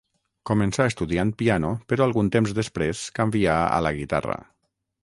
Començà estudiant piano però algun temps després canvià a la guitarra.